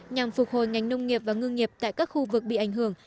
nhằm phục hồi ngành nông nghiệp và ngư nghiệp tại các khu vực bị ảnh hưởng